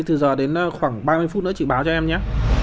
thì từ giờ đến khoảng ba mươi phút nữa chị báo cho em nhá